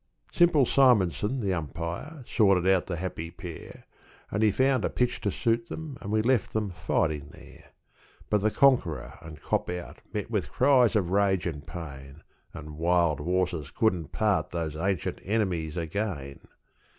Simple Simonsen, the umpire, sorted out the happy pair, And he found a pitch to suit them, and we left them fighting there; But The Conqueror and Cop Out met with cries of rage and pain, And wild horses couldn't part those ancient enemies again.